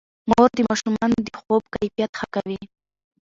مور د ماشومانو د خوب کیفیت ښه کوي.